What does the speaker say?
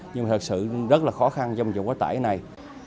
nhưng thật sự rất là khó khăn trong trường quá tải này